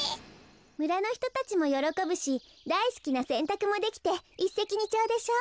むらのひとたちもよろこぶしだいすきなせんたくもできていっせきにちょうでしょ？